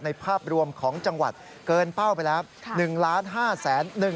ภาพรวมของจังหวัดเกินเป้าไปแล้ว